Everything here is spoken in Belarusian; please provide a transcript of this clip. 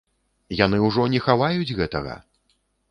Яны ўжо не хаваюць гэтага!